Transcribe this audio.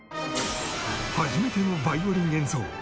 初めてのヴァイオリン演奏